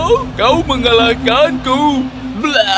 mereka terlibat perkelahian yang sangat berdebudan